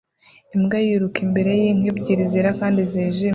Imbwa yiruka imbere yinka ebyiri zera kandi zijimye